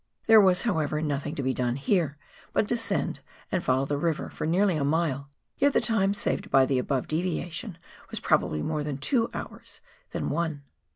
There was, however, nothing to be done here, but descend and follow the river, for nearly a mile, yet the time saved by the above deviation was probably more nearly two hours than one.